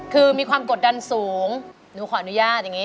คือมีความกดดันสูงหนูขออนุญาตอย่างนี้